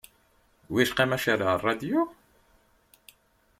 Wicqa ma ceεleɣ rradyu?